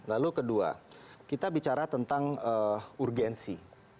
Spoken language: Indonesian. lalu kedua kita bicara tentang urgensi